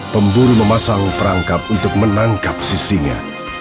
pemburu memasang perangkap untuk menangkap sisinya